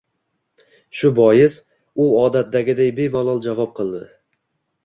Shu bois, u odatdagiday bemalol javob qildi: